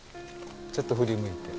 ちょっと振り向いて。